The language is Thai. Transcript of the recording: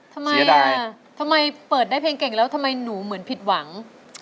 ทำไมอ่ะทำไมเปิดได้เพลงเก่งแล้วทำไมหนูเหมือนผิดหวัง